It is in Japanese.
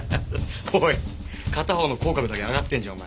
おい片方の口角だけ上がってるじゃんお前。